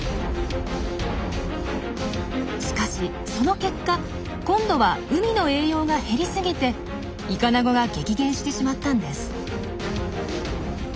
しかしその結果今度は海の栄養が減りすぎてイカナゴが激減してしまったんです。